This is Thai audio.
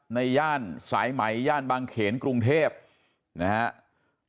ย่านสายไหมย่านบางเขนกรุงเทพนะครับ